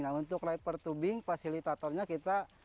nah untuk riper tubing fasilitatornya kita